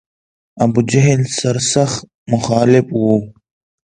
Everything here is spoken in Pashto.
ابوجهل سر سخت مخالف و.